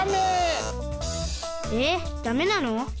えダメなの？